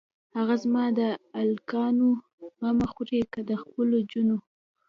هه زما د الکانو غمه خورې که د خپلو جونو.